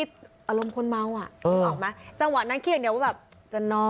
จะนอนเถอะจะขึ้นบ้าน